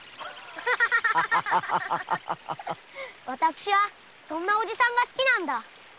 私はそんなおじさんが好きなんだ。